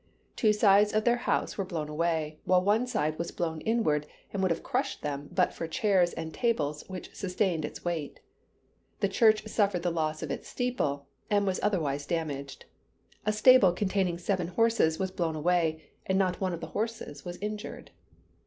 Two sides of their house were blown away; while one side was blown inward, and would have crushed them but for chairs and tables which sustained its weight. The church suffered the loss of its steeple, and was otherwise damaged. A stable containing seven horses was blown away, and not one of the horses was injured.